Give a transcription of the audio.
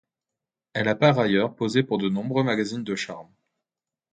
Elle a par ailleurs posé pour de nombreux magazines de charme.